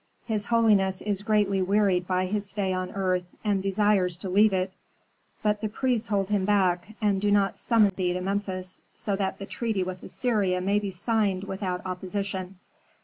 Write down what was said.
His holiness is greatly wearied by his stay on earth, and desires to leave it. But the priests hold him back, and do not summon thee to Memphis, so that the treaty with Assyria may be signed without opposition."